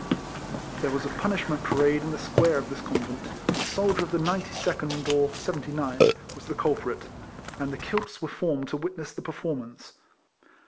There was a punish ment parade in the square of this convent. A soldier of the Ninety second or Seventy ninth was the culprit, and the kilts were formed to witness the performance.